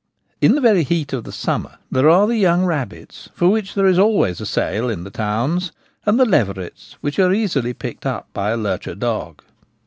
In the very heat of the summer there are the young rabbits, for which there is always a sale in the towns, and the leverets, which are easily picked up by a lurcher dog.